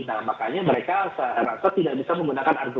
nah makanya mereka seharusnya tidak bisa